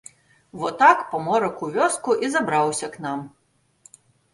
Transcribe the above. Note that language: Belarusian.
Во так паморак у вёску і забраўся к нам.